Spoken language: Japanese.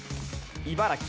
茨城。